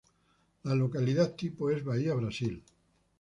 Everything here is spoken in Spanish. La localidad tipo es: Bahía, Brasil.